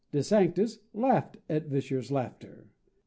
De Sanctis laughed at Vischer's laughter.